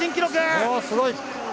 すごい！